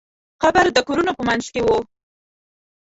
قبر د کورونو په منځ کې و.